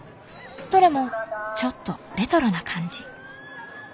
どれもちょっとレトロな感じ。